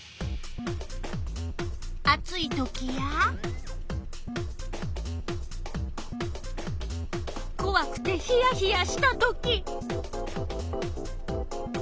暑いときやこわくてひやひやしたとき。